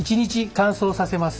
乾燥させます。